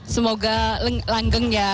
semoga langgeng ya